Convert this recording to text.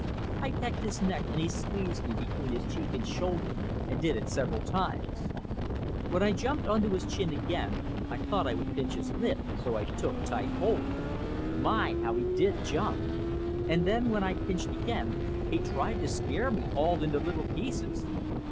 I pecked his neck and he squeezed me between his cheek and his shoulder, and did it several times. When I jumped onto his chin again I thought I would pinch his lip, so I took tight hold. My, how he did jump! And then when I pinched again, he tried to scare me all into little pieces.